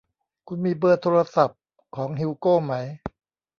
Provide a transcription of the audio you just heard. คุณมีเบอร์โทรศัพท์ของฮิวโกไหม